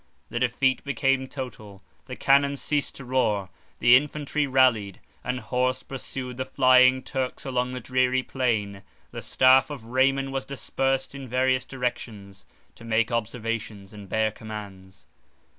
The defeat became total; the cannon ceased to roar; the infantry rallied, and horse pursued the flying Turks along the dreary plain; the staff of Raymond was dispersed in various directions, to make observations, and bear commands.